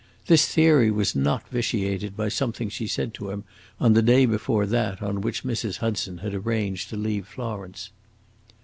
This theory was not vitiated by something she said to him on the day before that on which Mrs. Hudson had arranged to leave Florence.